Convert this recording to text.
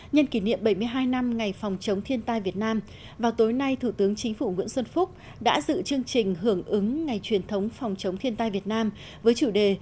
nhân kỷ niệm bảy mươi hai năm ngày phòng chống thiên tai việt nam vào tối nay thủ tướng chính phủ nguyễn xuân phúc đã dự chương trình hưởng ứng ngày truyền thống phòng chống thiên tai việt nam với chủ đề